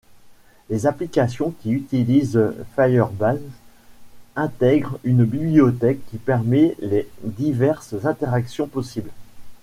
Les applications qui utilisent Firebase intègrent une bibliothèque qui permet les diverses interactions possibles.